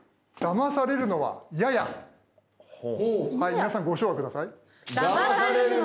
皆さんご唱和下さい。